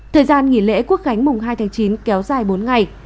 thời gian nghỉ lễ quốc khánh mùng hai tháng chín kéo dài bốn ngày